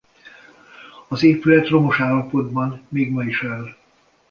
Az épület romos állapotban még ma is áll.